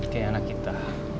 kei anak kita